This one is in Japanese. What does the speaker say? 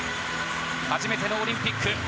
初めてのオリンピック。